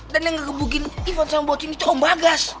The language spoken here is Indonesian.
dan yang ngegebukin ivan sama bocin itu om bagas